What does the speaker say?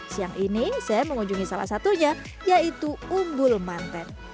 siang ini saya mengunjungi salah satunya yaitu umbul mantan